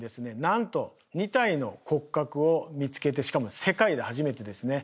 なんと２体の骨格を見つけてしかも世界で初めてですね